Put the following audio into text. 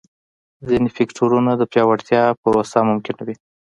ځیني فکټورونه د پیاوړتیا پروسه ممکنوي.